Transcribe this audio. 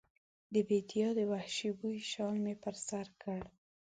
د بیدیا د وحشي بوی شال مې پر سر کړ